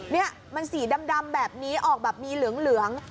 นี่มันสีดำแบบนี้ออกแบบมีเหลือง